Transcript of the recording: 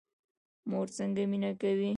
مور څنګه مینه کوي؟